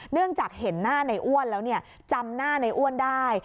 เนื่องจากเห็นหน้าในอ้วนแล้วจำหน้าในอ้วนได้